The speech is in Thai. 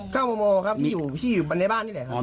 ข้าวโมโมครับที่อยู่ที่ในบ้านนี่แหละครับ